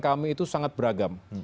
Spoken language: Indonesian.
kami itu sangat beragam